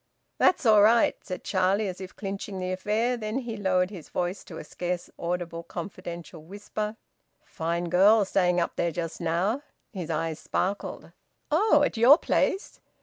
"That's all right," said Charlie, as if clinching the affair. Then he lowered his voice to a scarce audible confidential whisper. "Fine girl staying up there just now!" His eyes sparkled. "Oh! At your place?"